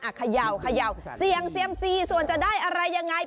อ่ะขย่าวเสียงเซียมซีส่วนจะได้อะไรอย่างไร